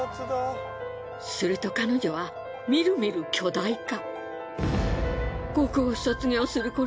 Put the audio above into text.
すると彼女はみるみる巨大化。